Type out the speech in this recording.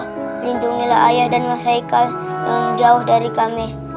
insya allah lindungilah ayah dan masyarakat yang jauh dari kami